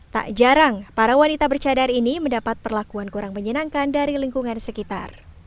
tak jarang para wanita bercadar ini mendapat perlakuan kurang menyenangkan dari lingkungan sekitar